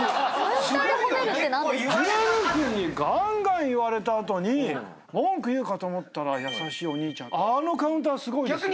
ジョエル君にガンガン言われた後に文句言うかと思ったら「優しいお兄ちゃん」あのカウンターすごいです。